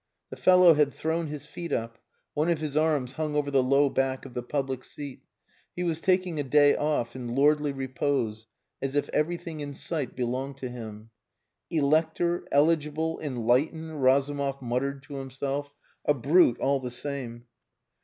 The fellow had thrown his feet up; one of his arms hung over the low back of the public seat; he was taking a day off in lordly repose, as if everything in sight belonged to him. "Elector! Eligible! Enlightened!" Razumov muttered to himself. "A brute, all the same."